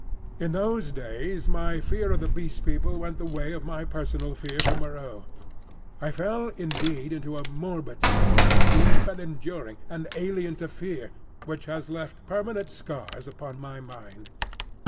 In those days my fear of the Beast People went the way of my personal fear for Moreau. I fell indeed into a morbid state, deep and enduring, and alien to fear, which has left permanent scars upon my mind.